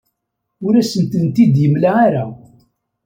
Ur asen-tent-id-yemla ara.